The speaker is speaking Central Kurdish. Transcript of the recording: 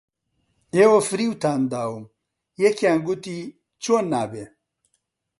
ئێوە فریوتان داوم یەکیان گوتی: چۆن نابێ؟